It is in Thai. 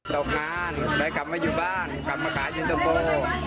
ตกงานเลยกลับมาอยู่บ้านกลับมาขายยุทธโปร์